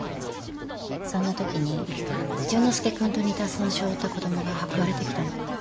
そんなときに淳之介君と似た損傷を負った子供が運ばれてきたの。